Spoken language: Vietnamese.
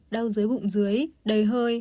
đau dưới bụng dưới đầy hơi